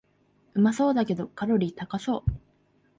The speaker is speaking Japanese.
うまそうだけどカロリー高そう